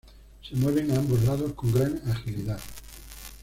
Se mueven a ambos lados con gran agilidad.